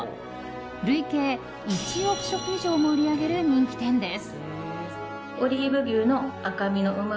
累計１億食以上も売り上げる人気店です。